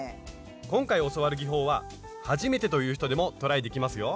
今回教わる技法は初めてという人でもトライできますよ。